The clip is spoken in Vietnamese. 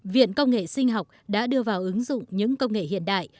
viện công nghệ sinh học đã đưa vào ứng dụng những công nghệ hiện đại